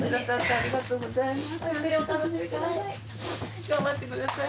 ありがとうございます。